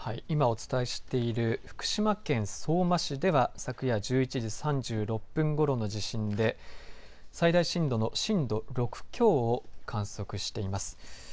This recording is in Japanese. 今お伝えしている福島県相馬市では昨夜１１時３６分ごろの地震で最大震度の震度６強を観測しています。